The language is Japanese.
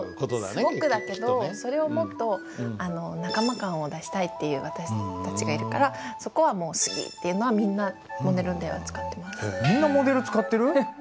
すごくだけどそれをもっと仲間感を出したいっていう私たちがいるからそこはもう「すぎ」っていうのはみんなモデルでは使ってます。